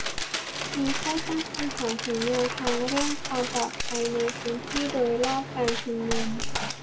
มีผู้ตั้งคำถามถึงแนวทางเรื่องความปลอดภัยในพื้นที่โดยรอบการชุมนุม